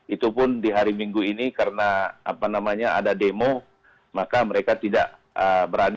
itu pun di hari minggu ini karena ada demo maka mereka tidak berani